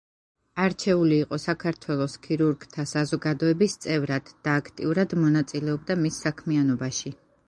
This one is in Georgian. არჩეული იყო საქართველოს ქირურგთა საზოგადოების წევრად და აქტიურად მონაწილეობდა მის საქმიანობაში.